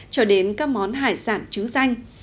cho đến các món hải sản trứ danh